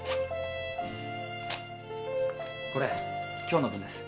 これ今日の分です。